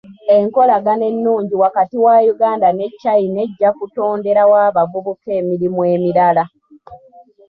Enkolagana ennungi wakati wa Uganda ne China ejja kutonderawo abavubuka emirimu emirala.